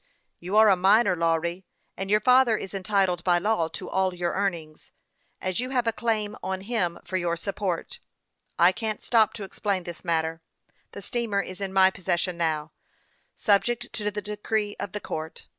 You are a minor, Lawry ; and your father is entitled by law to all your earnings, as you have a claim on him for your support. I can't stop to ex THE YOUNG PILOT OF LAKE CHAMPLAIJT. 217 plain this matter. The steamer is in my possession now, subject to the decree of the court.